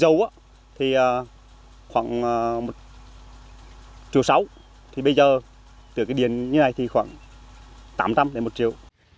một ha thì khoảng một sáu triệu thì bây giờ từ cái điện như này thì khoảng tám tăm đến một triệu